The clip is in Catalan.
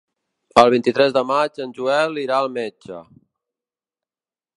El vint-i-tres de maig en Joel irà al metge.